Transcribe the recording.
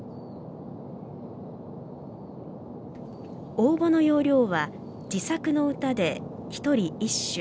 応募の要領は自作の歌で一人一首。